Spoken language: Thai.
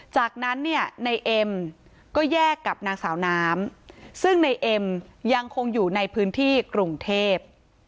จากนั้นเนี่ยในเอ็มก็แยกกับนางสาวน้ำซึ่งในเอ็มยังคงอยู่ในพื้นที่กรุงเทพ